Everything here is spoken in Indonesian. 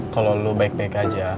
kalau lo baik baik aja